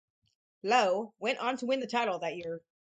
Lowe went on to win the title that year.